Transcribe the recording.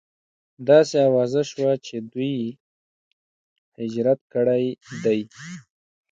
داسې اوازه شوه چې دوی هجرت کړی دی.